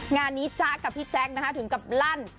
งานนี้จ๊ะกับพี่แจ๊คนะคะถึงกับลั่น